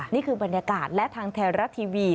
นี่คือบรรยากาศและทางไทยรัฐทีวี